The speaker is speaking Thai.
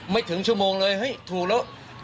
ไม่ถึงชั่วโมงเลยเฮ้ยถูกแล้ว